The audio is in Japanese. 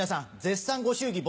絶賛ご祝儀